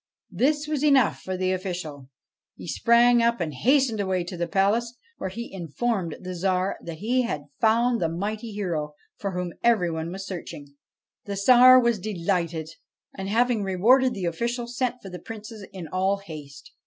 This was enough for the official : he sprang up and hastened away to the palace, where he informed the Tsar that he had found the mighty hero for whom every one was searching. The Tsar was delighted ; and having rewarded the official, sent for the Princes in all haste.